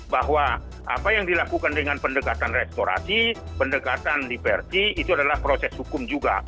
bahwa apa yang dilakukan dengan pendekatan restorasi pendekatan diversi itu adalah proses hukum juga